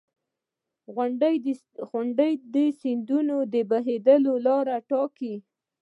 • غونډۍ د سیندونو د بهېدو لاره ټاکي.